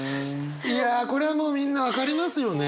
いやこれはもうみんな分かりますよね。